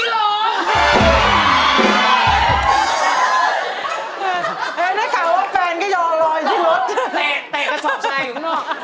แต่กระชอบชายอยู่ข้างนอก